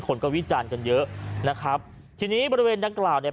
คนก็วิจารณ์กันเยอะนะครับทีนี้บริเวณดังกล่าวเนี่ย